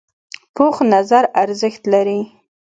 پوخ نظر ارزښت لري